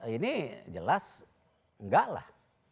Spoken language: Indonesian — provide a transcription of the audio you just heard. ini jelas enggak lah